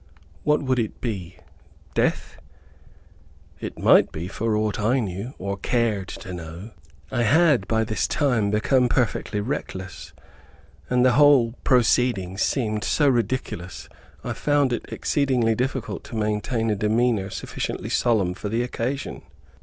What would it be? Death? It might be for aught I knew, or cared to know. I had by this time become perfectly reckless, and the whole proceeding seemed so ridiculous, I found it exceedingly difficult to maintain a demeanor sufficiently solemn for the occasion.